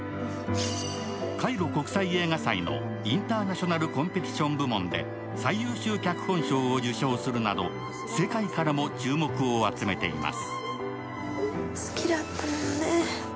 カイロ国際映画祭のインターナショナル・コンペティション部門で最優秀脚本賞を受賞するなど世界からも注目を集めています。